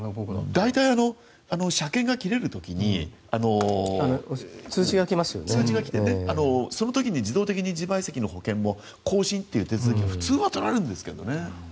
大体、車検が切れる時に通知が来て、その時に自動的に自賠責の保険も更新という手続きが普通は取られるんですけどね。